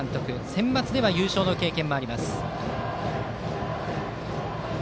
センバツでは優勝の経験もあります。